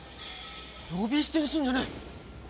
呼び捨てにすんじゃねえ。